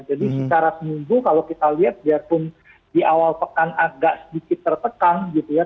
jadi secara seminggu kalau kita lihat biarpun di awal pekan agak sedikit tertekan gitu ya